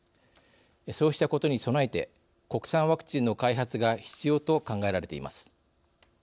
そうしたことに備えて国産ワクチンの開発が必要と考えられています。